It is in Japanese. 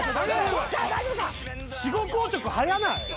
死後硬直早ない？